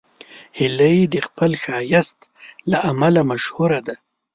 هیلۍ د خپل ښایست له امله مشهوره ده